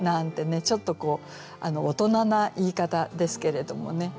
ちょっと大人な言い方ですけれどもね